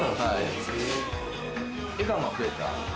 笑顔が増えた。